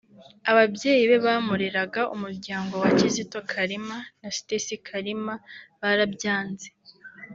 ababyeyi be bamureraga (umuryango wa Kizito Kalima na Stacy Kalima) barabyanze